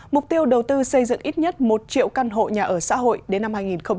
mục tiêu đầu tư xây dựng ít nhất một triệu căn hộ nhà ở xã hội đến năm hai nghìn ba mươi